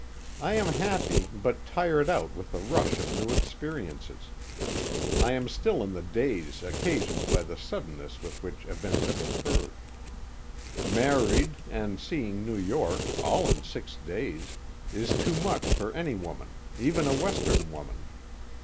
I am happy, but tired out with a rush of new experiences. I am still in the daze occasioned by the suddenness with which events have occurred. Married, and seeing New York, all in six days, is too much for any woman, even a Western woman.